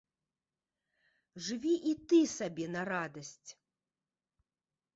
Жыві і ты сабе на радасць!